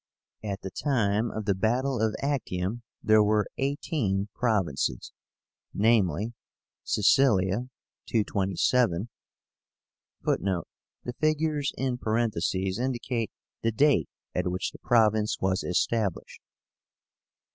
At the time of the battle of Actium there were eighteen provinces; viz. Sicilia (227 (Footnote: The figures in parentheses indicate the date at which the province was established.))